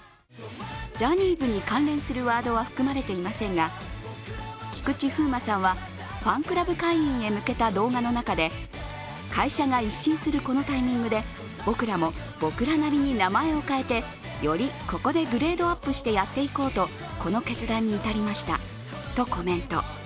ジャニーズに関連するワードは含まれていませんが、菊池風磨さんは、ファンクラブ会員へ向けた動画の中で会社が一新するこのタイミングで僕らも僕らなりに名前を変えて、よりここでグレードアップしてやっていこうとこの決断に至りましたとコメント。